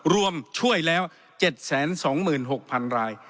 รวมช่วยแล้ว๗๒๖๐๐๐ราย